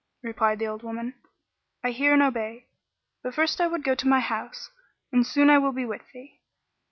Replied the old woman, "I hear and obey; but first I would go to my house, and soon I will be with thee."